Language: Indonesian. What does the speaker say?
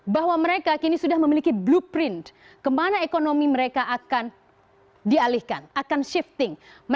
bahwa mereka kini sudah memiliki blueprint kemana ekonomi mereka akan dialihkan akan shifting